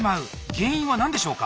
原因は何でしょうか？